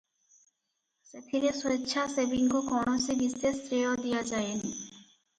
ଏଥିରେ ସ୍ୱେଚ୍ଛାସେବୀଙ୍କୁ କୌଣସି ବିଶେଷ ଶ୍ରେୟ ଦିଆଯାଏନି ।